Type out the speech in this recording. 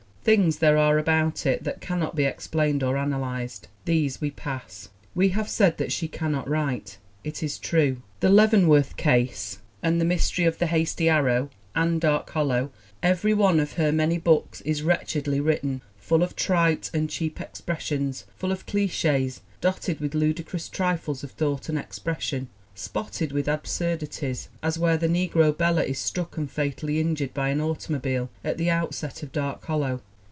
Things there are about it that cannot be explained or analyzed. These we pass. We have said that she cannot write. It is true. The Leavenworth Case, and The Mystery of 212 THE WOMEN WHO MAKE OUR NOVELS the Hasty Arrow and Dark Hollow every one of her many books is wretchedly written, full of trite and cheap expressions, full of cliches, dotted with ludicrous trifles of thought and expression, spotted with absurdi ties, as where the negro Bela is struck and fatally in jured by an automobile at the outset of Dark Hollow.